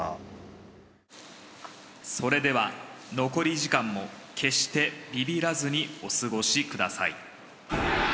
それでは残り時間も決してビビらずにお過ごしください。